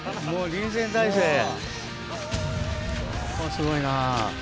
すごいな。